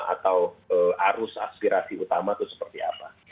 atau arus aspirasi utama itu seperti apa